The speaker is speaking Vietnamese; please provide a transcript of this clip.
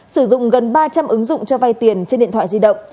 sử dụng gần ba trăm linh ứng dụng cho vay tiền trên điện thoại di động